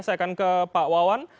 saya akan ke pak wawan